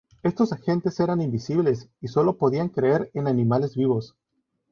Estos agentes eran invisibles y solo podían crecer en animales vivos.